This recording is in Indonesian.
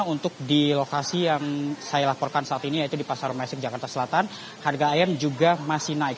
untuk di lokasi yang saya laporkan saat ini yaitu di pasar mesir jakarta selatan harga ayam juga masih naik